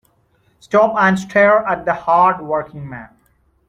Stop and stare at the hard working man.